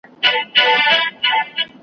خلک هر څه کوي خو هر څه نه وايي .